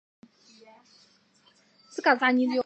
扁基荸荠为莎草科荸荠属的植物。